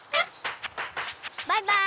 バイバーイ！